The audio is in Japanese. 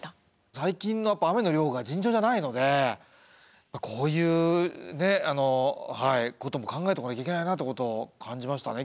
最近のやっぱ雨の量が尋常じゃないのでこういうことも考えておかなきゃいけないなってことを感じましたね